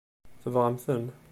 Tebɣam-ten?